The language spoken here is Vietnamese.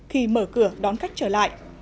khi mở cửa đón khách trở lại